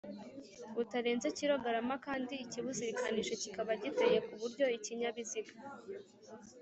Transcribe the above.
butarenze kilogarama kandi ikibizirikanije kikaba giteye ku buryo ikinyabiziga